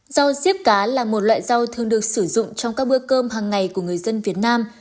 rau dếp cá là một loại rau thường được sử dụng trong các bữa cơm hàng ngày của người dân việt nam